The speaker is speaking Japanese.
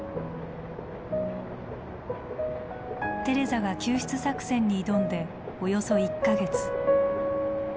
テレザが救出作戦に挑んでおよそ１か月。